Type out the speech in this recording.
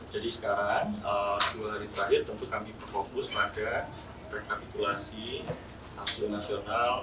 sekarang dua hari terakhir tentu kami berfokus pada rekapitulasi hasil nasional